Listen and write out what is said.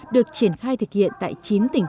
được triển khai thực hiện tại chín tỉnh